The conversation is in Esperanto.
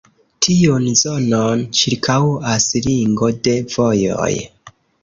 Tiun zonon ĉirkaŭas ringo de vojoj.